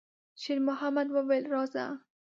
شېرمحمد وویل: «راځه!»